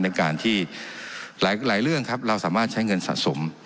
ในการที่หลายเรื่องครับเราสามารถใช้เงินสะสม